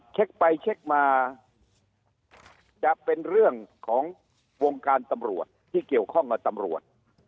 เช็คไปเช็คมาจะเป็นเรื่องของวงการตำรวจที่เกี่ยวข้องกับตำรวจ